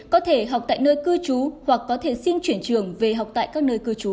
có thể học tại nơi cư trú hoặc có thể xin chuyển trường về học tại các nơi cư trú